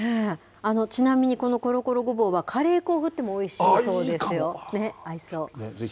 ちなみにこのコロコロごぼうは、カレー粉を振ってもおいしいそうあっ、いいかも。ね、合いそう。